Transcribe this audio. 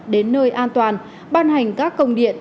đến nơi an toàn ban hành các công điện